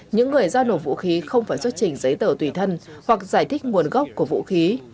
những người giao nổ vũ khí không phải xuất trình giấy tờ tùy thân hoặc giải thích nguồn gốc của vũ khí